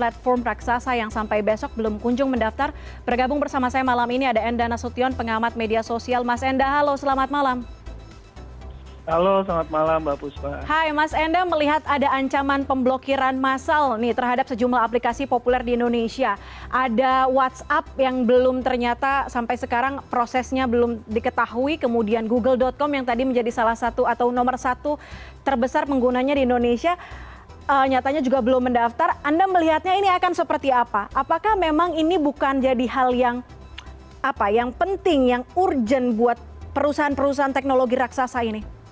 tapi memang ini bukan jadi hal yang penting yang urgent buat perusahaan perusahaan teknologi raksasa ini